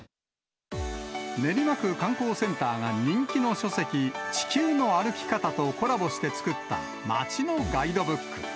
練馬区観光センターが人気の書籍、地球の歩き方とコラボして作った街のガイドブック。